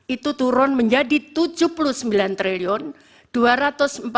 itu turun menjadi rp tujuh puluh sembilan dua ratus empat belas delapan puluh tiga empat ratus enam puluh tiga